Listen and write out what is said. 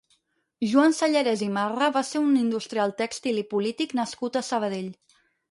Joan Sallarès i Marra va ser un industrial tèxtil i polític nascut a Sabadell.